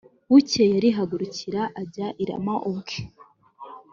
Bukeye arihagurukira ajya i Rama ubwe